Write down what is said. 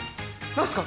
何ですか？